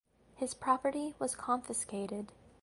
His property was confiscated.